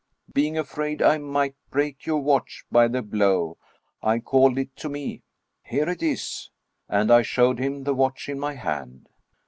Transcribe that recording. Being afraid I might break your watch by the blow, I called it to me: here it is!" And I showed him the watch in my hand.